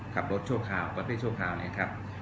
ขับรถชั่วคราวประเภทชั่วคราวนะครับ